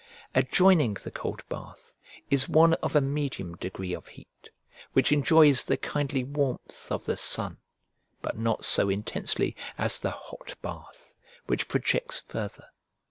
Adjoining the cold bath is one of a medium degree of heat, which enjoys the kindly warmth of the sun, but not so intensely as the hot bath, which projects farther.